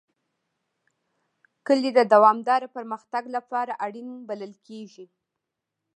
کلي د دوامداره پرمختګ لپاره اړین بلل کېږي.